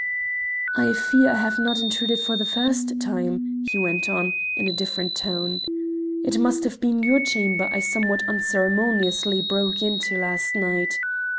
"I fear I have not intruded for the first time," he went on, in a different tone. "It must have been your chamber I somewhat unceremoniously broke into last night.